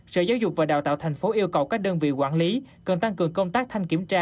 sở giáo dục và đào tạo tp yêu cầu các đơn vị quản lý cần tăng cường công tác thanh kiểm tra